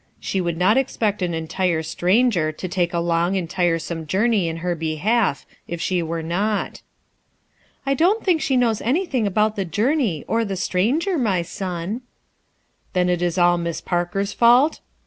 She would not expect an entire stranger to take a long and tiresome journey in her behalf if she were not." 256 RUTH ERSKINE'S SON ''I don't think she knows anj thing about the journey, or the stranger, my son/' "Then it is all Miss Parker's fault?''